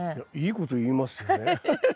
いいこと言いますね。